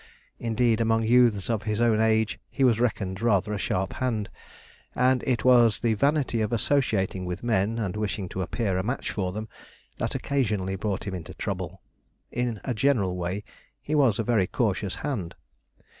Indeed, among youths of his own age he was reckoned rather a sharp hand; and it was the vanity of associating with men, and wishing to appear a match for them, that occasionally brought him into trouble. In a general way, he was a very cautious hand.